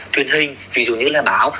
tuyên hình ví dụ như là báo